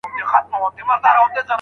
چې تا به وغوښتل ما هغه دم راوړل گلونه